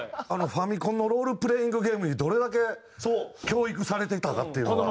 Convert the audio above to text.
ファミコンのロールプレイングゲームにどれだけ教育されていたかっていうのが。